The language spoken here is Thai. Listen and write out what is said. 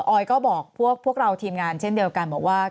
โอ้ยบอกพวกเราทีมงานเช่นเดียวกัน